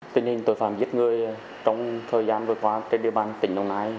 tình hình tội phạm giết người trong thời gian vừa qua trên địa bàn tỉnh đồng nai